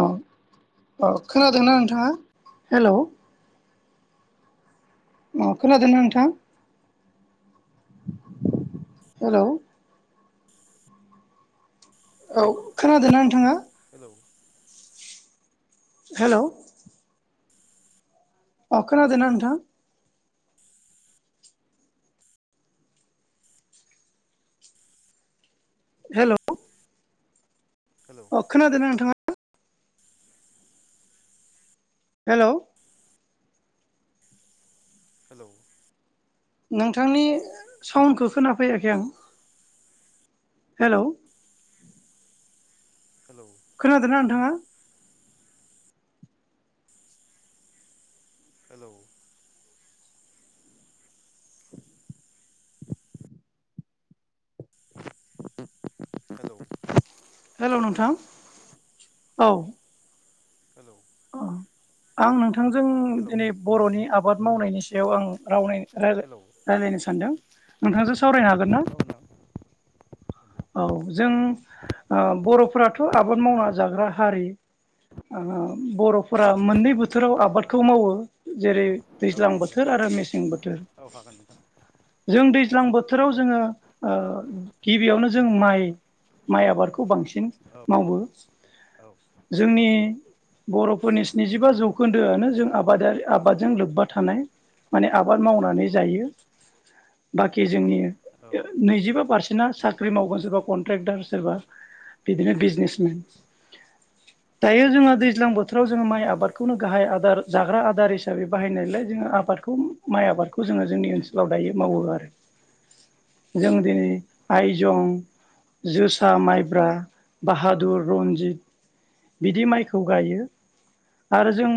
औ औ खोनादोंना नोंथाङा? हेलौ। अ खोनादोंना नोंथां? हेलौ। औ खोनादोंना नोंथाङा? हेलौ। हेलौ। अ खोनादोंना नोंथां? हेलौ। हेलौ अ खोनादोंना नोंथाङा? हेलौ। हेलौ। नोंथांनि साउन्डखौ खोनाफैयाखै आं हेलौ। हेलौ। खोनादोंना नोंथाङा? हेलौ। हेलौ। हेलौ नोंथां औ। हेलौ। अ आं नोंथां थांजों हेलौ दिनै बर'नि आ बाद मावनायनि सायाव आं रावनाय रायलाय हेलौ रायलायनो सानदों। नोंथांजों सावरायनो हागोन ना? औ जों ओ बर'फोराथ' आबाद मावना जाग्रा हारि ओ बर'फोरा मोननै बोथोराव आबादखौ मावो जेरै औ नोंथां औ दैज्लां दे बोथोर आरो मेसें बोथोर। औ हागोन नोंथां जों दैज्लां बोथोराव जोङो ओ गिबियावनो जों माइ माइ आबादखौ बांसिन औ मावो औ जोंनि बर'फोरनि स्निजिबा जौखोन्दोआनो जों आबादआरि आबादजों लोब्बा थानाय माने आबाद औ मावनानै जायो। बाकि जोंनि औ औ नैजिबा पारसेन्टआ सा ख्रि नंगौ मावगोन सोरबा कन्ट्रेक्टार सोरबा बिदिनो बिजनेसमेन दायो औ जोङो दैज्लां बोथोराव जों औ नंगौ औ नंगौ औ माइ आबादखौनो गाहाय आबाद जाग्रा आदार हिसाबै बाहायनायलाय जोङो आबादखौ माइ आबादखौ जोङो जोंनि ओनसोलाव दायो मावो आरो। जों दिनै आइ जों जोसा माइब्रा बाहादुर रनजित बिदि माइखौ गायो। आरो जों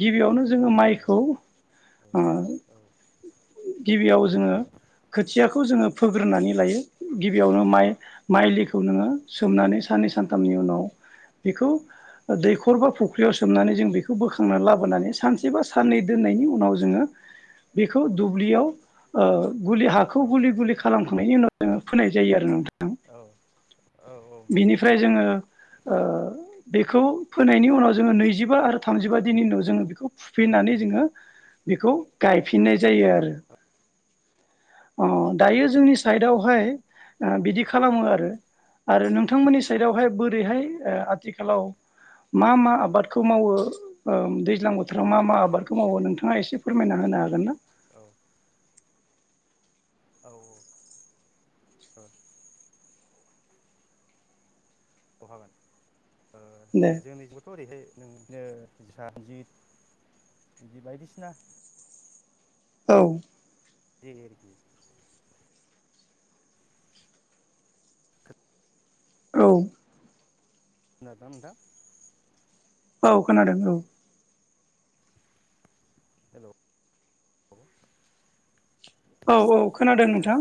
गिबियावनो जोङो माइखौ ओ गिबियाव जोङो खोथियाखौ जोङो फोग्रोनानै लायो। गिबियावनो माइ माइलिखौ नोङो सोमनानै साननै सानथामनि उनाव बेखौ दैखर बा फुख्रियाव सोमनानै जों बेखौ बोखांनानै लाबोनानै सानसे बा साननै दोननायनि उनाव जोङो बेखौ दुब्लियाव ओ गुलि हाखौ गुलि गुलि खालाम खांनायनि उनाव जोङो फोनाय जायो आरो नों थां औ औ औ नंगौ बिनिफ्राय जोङो ओ बेखौ फोनायनि उनाव जोङो नैजिबा आरो थामजिबा दिननि उनाव जोङो बेखौ फुफिननानै जोङो बेखौ गायफिननाय जायो आरो। अ दायो जोंनि साइडआवहाय ओ औ बिदि खालामो आरो आरो नोंथांमोननि साइडआवहाय बोरैहाय ओ आथिखालाव मा मा आबादखौ मावो ओ दैज्लां बोथोराव मा मा आबादखौ मावो नोंथाङा एसे फोरमायना होनो हागोन ना? औ औ औ औ हागोन ओ जोंनिजोंबोथ' ओरैहाय नों [unintelligible] बिदि बायदिसिना औ [unintelligible] औ [unintelligible] औ खोनादों औ हेलौ औ औ खोनादों हेलौ नोंथां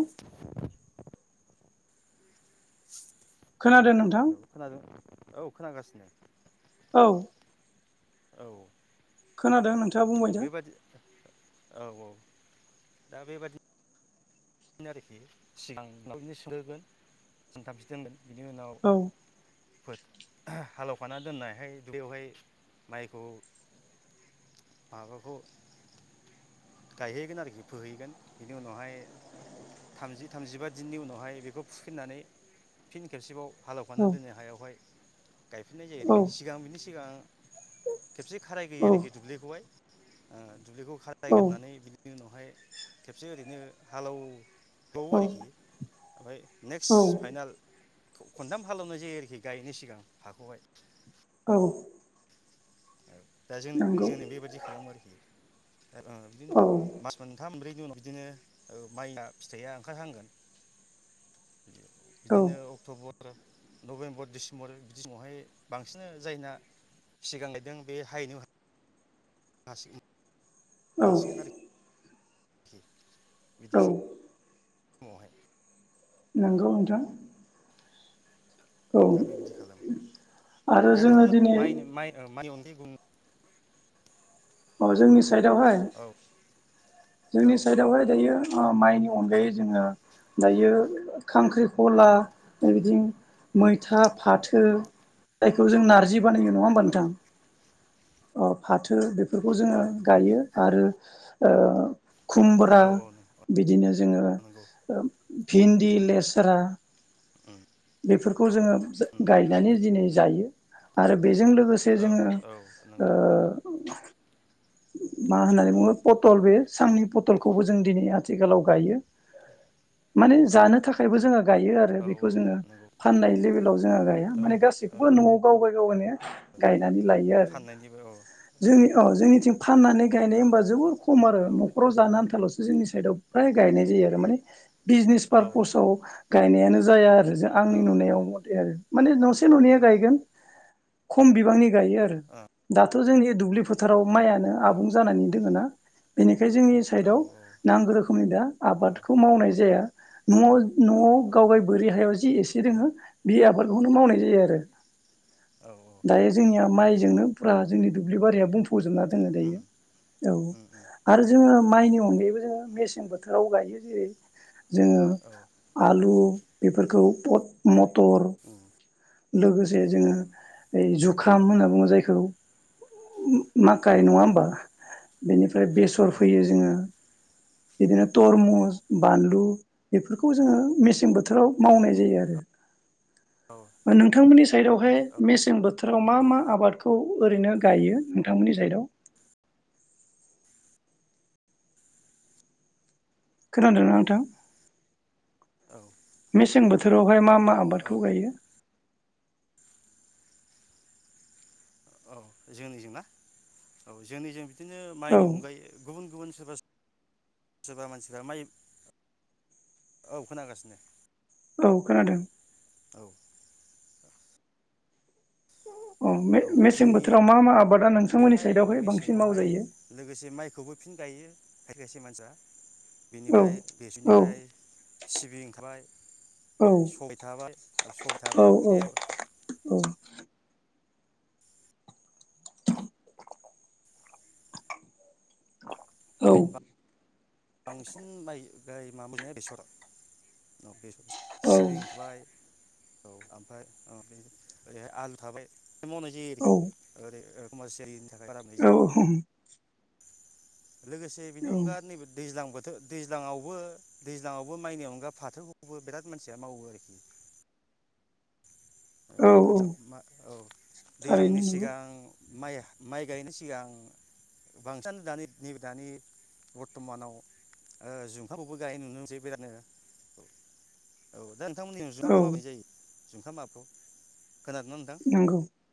[unintelligible] खोनादों नोंथां हेलौ खोनादों औ खोनागासिनो औ औ खोनादों नों औ बेेबादि औ - औ दा बेबादि आरोखि सिगां बिनो सुहोगोन सानथामसो दोनगोन बिनि औ उनाव हालौफाना दोननायहाय बेवहाय माइखौ माबाखौ गायहैगोन आरोखि फोहैगोन बिनि उनावहाय थामजि थामजिबा दिननि उनावहाय बेखौ फुफिननानै फिन खेबसेबाव हाल औ एवफानानै दोननाय हायावहाय गायफिननाय जायो औ आरोखि सिगां बिनि सिगां खेबसे खाराय गैयो आरोखि दुब्लिखौहाय आ दुब्लिखौ औ नायगिरनानै बिनि उनाव खेबसे ओरैनो हालौ एवबावो औ आरोखि ओमफ्राय नेक्स औ फाइनाल खनथाम हालेवनाय जायो आरोखि गायनि सिगां हाखौहाय औ दा जों नंगौ जोंनो बेबायदि खालामो आरोखि औ मास मोनथाम मोन बिनि उनाव बिदिनो माइना फिथाइया ओंखारहांगोन औ बिदिनो अक्टबर नभेम्बर डिसेम्बर बिदि समावहाय बांसिन जायना सिगां गायदों बे हायनो दासिम औ मोनसिगोन आरो खि औ नंगौ नोंथां औ दा बे बिदि खालामो आरो दा जोङो नोंथां दिनै माइनि माइ माइनि अनगायै [inaudible] अ जोंनि साइदावहाय औ औ जोंनि साइडआवहाय दायो अ माइनि अनगायै जोङो दायो खांख्रिखला इदि मैथा फाथो जायखौ जों नारजि बानायो नङा होमबा नोंथां अ फाथ थो बेफोरखौ जोङो औ गायो। आरो ओ खुमब्रा औ औ नं औ बिदिनो जोङो ओ नंगौ भिन्दि लेस्रा उम बेफोरखौ जोङो जा उम गायनानै दिनै जायो आरो बेजों लोगोसे जोङो औ औ नंगौ ओ [inaudible] मा होननानै औ बुङो पटलबो सांनि पथलखौबो जों दिनै आथिखालाव गायो माने औ जानो थाखायबो जोङो गायो आरो औ बेखौ जोङो नंगौ फाननाय लेभेलाव जोङो गाया औ माने ओ गासैखौबो नआव गाव गाय गावगानिया गायनानै लायो आरो फाननायनिबो औ जोंनि औ जोंनिथिं फाननानै गायनाय औ होमबा जोबोद खम आरो औ नखराव जानो आन्थालस जोंनि साइडआव फ्राय गायनाय जायो आरो माने बिजनेस औ ओ पारपसाव गायनायानो जाया रो जों औ आंनि औ नुनायाव मथे आरो माने नसे ननैया गायगोन खम बिबांनि गायो आरो दाथ जोंनि दुब्लि फोथाराव माइयानो औ आबुं जानानै दों ना बेनिखाय बे जोंनि साइडआव ओ नांगौ रोखोमनि दा आबादखौ मावनाय जाया नआव नआव गावगाय बोरै हायाव जि एसे दोङो बे आबाद बेखौनोमावनाय जायो आरो दायो जोंनिया माइजोंनो फुरा जोंनि दुब्लिारिया बुं फजोबना दोङो उम दायो। औ उम उम आरो जों जो माइनि अनगायैबो जोङो मेसें बोथोराव गायो। जेरै जोङो औ आलु बेफोरखौ पद मद टर उम लोगोसे जोङो ओइ जुखाम औ औ होनना बुङो जायखौ [unintelligible] औ माखाय नङा होमबा? बेनिफ्राय ओमफ्राय बेसर औ फैयो जोङो बिदिनो तरमुस बानलु [unintelligible] बेफोरखौ जोङो मेसें बोथोराव मावनाय जायो आरो औ नोंथांमोननि साइडआवहाय मेसें बो फोथाराव मा मा आबादखौ ओरैनो गायो नोंथांमोननि साइडआव खोनादोंना नोंथां? मेसें बोथोरावहाय मा मा औ आबादखौ गायो? औ जोंनिजोंना औ जोंनिजों बिदिनो औ माइनि अनगायै गुबुन गुबुन [unintelligible] सोरबा मानसिफ्रा माइ औ खोनागासिनो। औ खोनादों। औ औ मेसें बोथोराव मा मा आबादा नोंथांमोननि जोंनियावहाय साइडआवहाय बांसिन मेसेंआवहाय मावजायो लोगोसे माइखौबो फिन गायो। खाय खायसे मानसिया औ बेनिफ्राय औ बेसरनिफ्राय सिबि ओंखारबाय औ ओमफ्राय सबाय थाबाय सबाय औ थाबाय औ जे औ बांसिन बाय [unintelligible] बेसरा औ बेसर। सिबिं थाबाय औ ओमफ्राय ओरैहाय आलु थाबाय मावनाय जायो आरोखि ओरै ओ। [unintelligible] [unintelligible] लोगोसे बेनि औ अनगा नैबे दैज्लां बोथ [unintelligible] दैज्लांआवबो दैज्लांआवबो माइनि अनगा फाथोखौबो बिराद मानसिया मावो आरोखि औ औ [unintelligible] औ थारैनो दैज्लांनि नंगौ सिगां माइ माइ गायनायनि सिगांं बांसिनानो दानि नैबे दानि बरथ'मानाव ओ जुखामखौबो गायनाय नुनो मोनसै बिरादनो औ औ दा नोंथांमोननि [unintelligible] मा औ मावनाय जायो [unintelligible] नंगौ [unintelligible]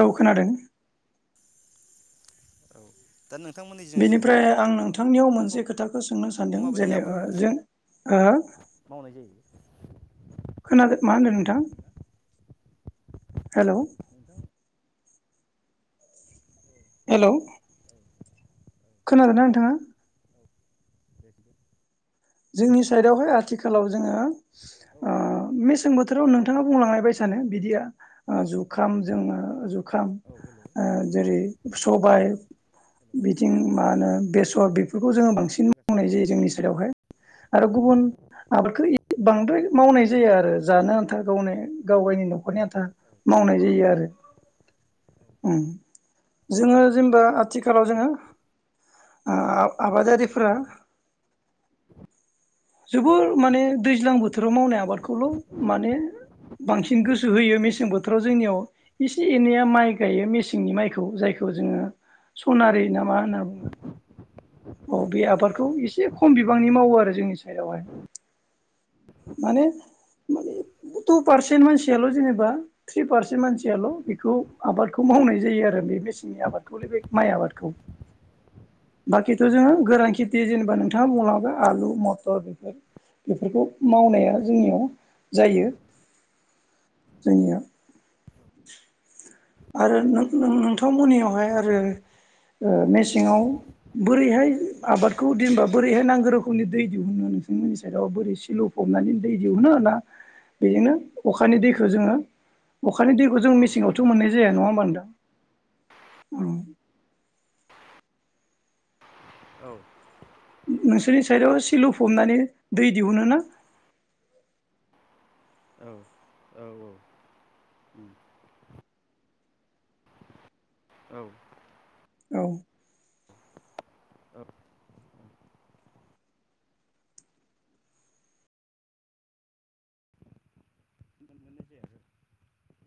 औ खोनादों औ दा नोंथांमोननि जों जुंखामखौ बेनिफ्राय आं नोंथांनियाव मोनसे खोथाखौ सोंनो सानदों माबायदि जेने आबाद जों मावनाय जायो खोनादो मा होनदो नोंथां खोनादोंना हेलौ [unintelligible] औ हेलौ औ खोनादों ना नोंथाङा [inaudible] जोंनि साइडआवहाय आथिखालाव जोङो औ ओ सोंदो दे मेसें बोथोराव नों नोंथाङा बुंलांनाय बायसानो बिदिया जुखाम जोंङो जु खाम औ हेल' सोंदो दे जेरै सबाय हेलौ बिथिं औ मा खोनादों होनो बेसर बेफोरखौ जोङो औ बांसिन खोनागासिनो मावनाय जायो जोंनि सायावहाय आरो गुबुन आबादखौ बांद्राय मावनाय जायो आरो जानो आन्था गावनो गावगायनि न'आव न'खरनि औ आनथा औ औ मावनाय जायो आरो औ ओम जोङो जेनेबा आथिखालाव जोङो आबादारिफोरा जोबोर माने दैज्लां बोथोराव मावनाय आबादखौल' माने बांसिन गोसो होयो मेसें बोथोराव जोंनियाव एसे एनैया माइ गायो मेसेंनि माइखौ जायखौ जोङो सनारि ना मा होनना बुङो। औ बे आबादखौ एसे खम बिबांनि मावो आरो जोंनि सायावहाय माने टु पारसेन मानसियाल' जैनेबा त्रि पारसेन मानसियाल' बेखौ आबाद खौ मावनाय जायो आरो आरो बे मेसेंनि आबादखौ [unintelligible] माइ आबादखौ बाखिथ' जोङो गोरान खेथि जेनेबा नोंथाङा बुंलांबाय आलु मथर बेफोर बेफोरखौ मावनाया जोंनियाव जायो जोंनिया आरो नोंथांमोननियावहाय आरो मेसेङाव बोरैहाय आबादखौ दोनबा बोरैहाय नांगौ रोखोमनि दै दिहुनो नोंसमोननि साइडआव बोरै सिलौ फबनानै दै दिहुनो ना बेजोंनो अखानि दैखौ जोङो अखानि दैखौ जों मेसेंआवथ' मोननाय [unintelligible] औ नोंसोरनि साइडआव सिलु फबनानै दै दिहुनो ना औ औ औ औ औ [unintelligible]